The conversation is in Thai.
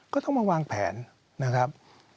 ก็ต้องมาวางแผนนะครับ